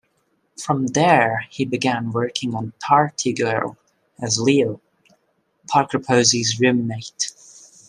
From there he began working on "Party Girl" as Leo, Parker Posey's roommate.